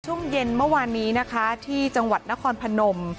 ช่วงเย็นเมื่อวานนี้นะคะที่จังหวัดนครพนม